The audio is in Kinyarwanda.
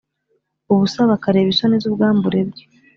ubusa bakareba isoni zubwambure bwe